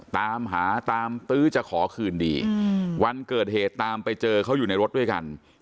ตามหาตามตื้อจะขอคืนดีวันเกิดเหตุตามไปเจอเขาอยู่ในรถด้วยกัน